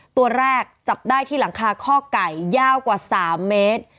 ตัวแรกจับได้ที่หลังคาข้อไก่ยาวกว่า๓เมตร